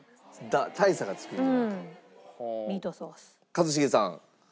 一茂さん。